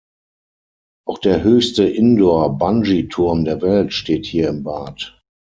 Auch der höchste Indoor-Bungee-Turm der Welt steht hier im Bad.